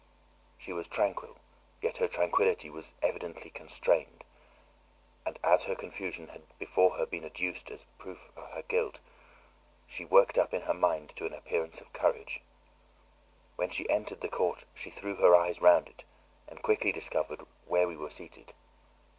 She was tranquil, yet her tranquillity was evidently constrained; and as her confusion had before been adduced as a proof of her guilt, she worked up her mind to an appearance of courage. When she entered the court she threw her eyes round it and quickly discovered where we were seated.